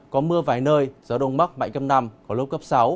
có mưa vài nơi gió đông mắc mạnh cầm nằm có lúc cấp sáu